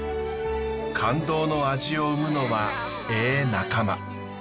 感動の味を生むのはえぇ仲間。